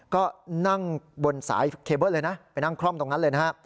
ก็นั่งบนสายเคเบิ้ลเลยนะไปนั่งคล่อมตรงนั้นเลยนะฮะ